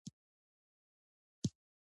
ولایتونه د سیاسي جغرافیه یوه مهمه برخه ده.